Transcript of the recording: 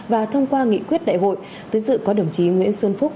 và thông qua nghị quyết đại hội tới dự có đồng chí nguyễn xuân phúc